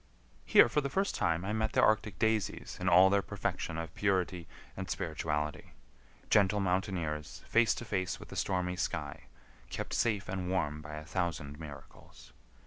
Here for the first time I met the arctic daisies in all their perfection of purity and spirituality,—gentle mountaineers face to face with the stormy sky, kept safe and warm by a thousand miracles.